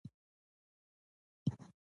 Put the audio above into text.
د تاریکي راتلونکي د روښانولو په هلوځلو.